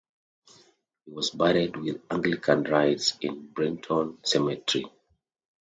He was buried with Anglican rites in Brighton Cemetery.